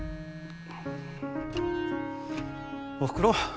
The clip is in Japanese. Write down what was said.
おふくろ？